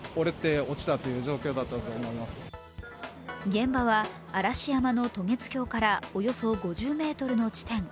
現場は嵐山の渡月橋からおよそ５０ｍの地点。